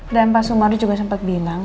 dan pak sumaro juga sempat bilang